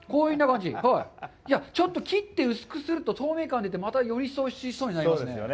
ちょっと切って薄くすると透明感が出て、またより一層、おいしそうになりますね。